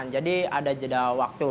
jadi ada jeda waktu